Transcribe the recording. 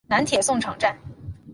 南铁送场站。